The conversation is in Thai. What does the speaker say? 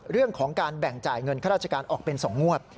เรื่องของการแบ่งจ่ายเงินข้าราชการออกเป็น๒งวด